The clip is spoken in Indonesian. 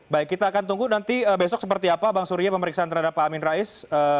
baik kita akan tunggu nanti besok seperti apa bang surya pemeriksaan terhadap pak amin rais